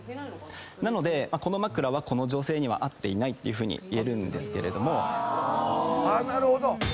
なのでこの枕はこの女性には合っていないっていうふうにいえるんですけれども。